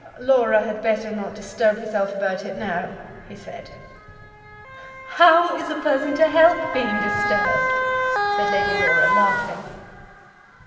"Laura had better not disturb herself about it now," he said. "How is a person to help being disturbed?" said Lady Laura, laughing.